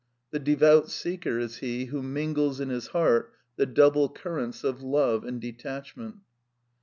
The devout seeker is he who mingles in his heari the double currents of love and detachment."